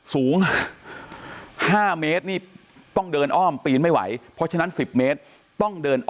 สูง๕เมตรนี่ต้องเดินอ้อมปีนไม่ไหวเพราะฉะนั้น๑๐เมตรต้องเดินอ้อ